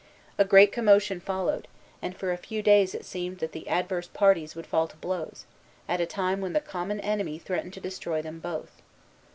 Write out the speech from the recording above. A great commotion followed, and for a few days it seemed that the adverse parties would fall to blows, at a time when the common enemy threatened to destroy them both.